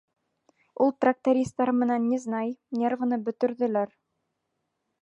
Ул трактористар менән незнай, нервыны бөтөрҙөләр.